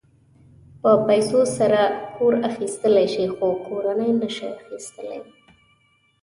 په پیسو سره کور اخيستلی شې خو کورنۍ نه شې.